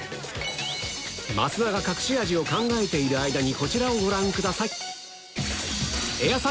増田が隠し味を考えている間にこちらをご覧ください